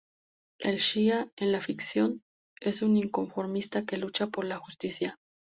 El "xia", en la ficción, es un inconformista que lucha por la justicia.